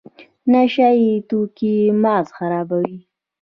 نشه یي توکي مغز خرابوي